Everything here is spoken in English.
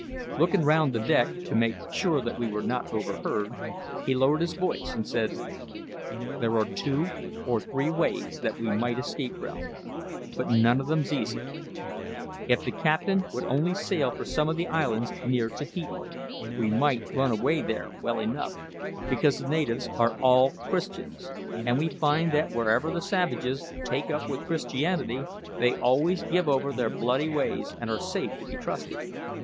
Looking round the deck to make sure that we were not overheard, he lowered his voice and said, "There are two or three ways that we might escape, Ralph, but none o' them's easy. If the captain would only sail for some o' the islands near Tahiti we might run away there well enough, because the natives are all Christians; an' we find that wherever the savages take up with Christianity they always give over their bloody ways, and are safe to be trusted.